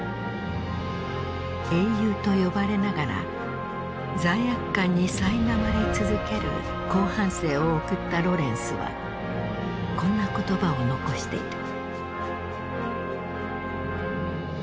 英雄と呼ばれながら罪悪感にさいなまれ続ける後半生を送ったロレンスはこんな言葉を残している。